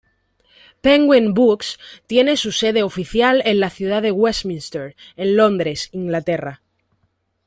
Penguin Books tiene su sede oficial en la Ciudad de Westminster, en Londres, Inglaterra.